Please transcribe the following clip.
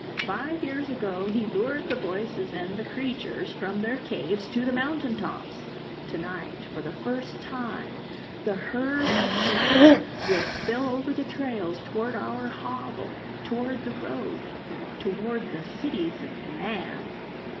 Five years ago he lured the voices and the creatures from their caves to the mountain tops. Tonight, for the first time, the herd of black will spill over the trails toward our hovel, toward the road, toward the cities of man!"